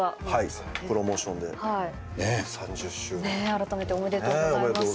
あらためておめでとうございます。